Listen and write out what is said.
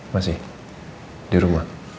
masih di rumah